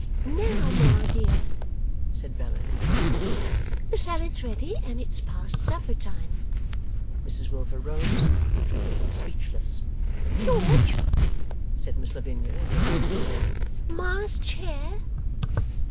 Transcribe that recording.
'Now, Ma dear,' said Bella in due course, 'the salad's ready, and it's past supper time.' Mrs Wilfer rose, but remained speechless. 'George!' said Miss Lavinia in her voice of warning, 'Ma's chair!